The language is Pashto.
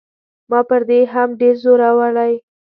ما پر دې هم ډېر زورولی.